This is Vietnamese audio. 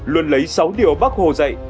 luôn lấy sáu điều bác hồ dạy